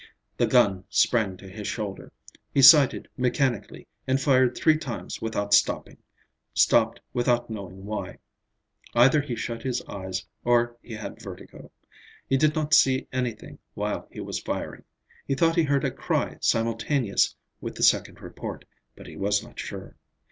The gun sprang to his shoulder, he sighted mechanically and fired three times without stopping, stopped without knowing why. Either he shut his eyes or he had vertigo. He did not see anything while he was firing. He thought he heard a cry simultaneous with the second report, but he was not sure.